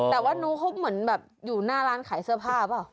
แต่วันนู้นเค้าเหมือนอยู่หน้าร้านขายเสื้อผ้าแล้วเปล่า